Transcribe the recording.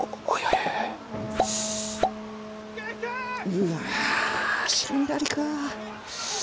うわしんがりか。